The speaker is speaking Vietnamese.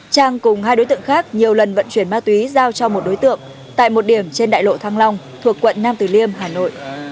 trang cùng hai đối tượng khác nhiều lần vận chuyển ma túy giao cho một đối tượng tại một điểm trên đại lộ thăng long thuộc quận nam tử liêm hà nội